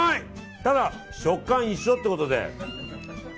ただ食感一緒ってことで。